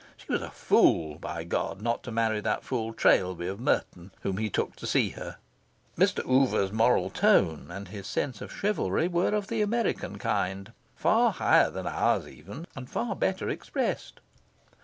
She was a fool, by God! not to marry that fool Trailby, of Merton, whom he took to see her. Mr. Oover's moral tone, and his sense of chivalry, were of the American kind: far higher than ours, even, and far better expressed.